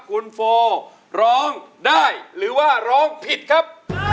คุณโฟร้องได้หรือว่าร้องผิดครับ